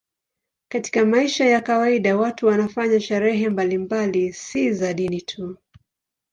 Katika maisha ya kawaida watu wanafanya sherehe mbalimbali, si za dini tu.